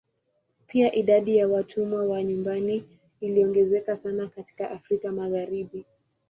Pia idadi ya watumwa wa nyumbani iliongezeka sana katika Afrika Magharibi.